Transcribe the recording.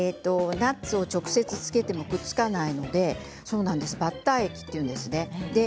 ナッツを直接つけてもくっつかないのでバッター液と言うんです。